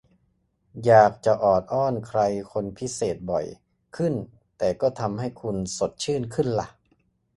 อยากจะออดอ้อนใครคนพิเศษบ่อยขึ้นแต่ก็ทำให้คุณสดชื่นขึ้นล่ะ